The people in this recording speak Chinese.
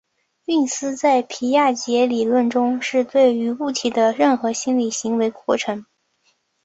运思在皮亚杰理论中是对于物体的任何心理行为过程。